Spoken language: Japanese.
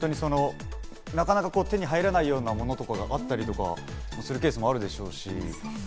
なかなか手に入らないようなものとかがあったりとかするケースもあるでしょうし。